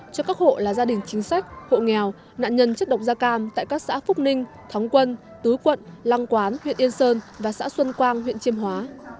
trong các quận lăng quán huyện yên sơn và xã xuân quang huyện chiêm hóa